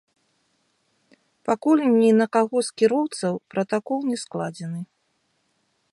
Пакуль ні на каго з кіроўцаў пратакол не складзены.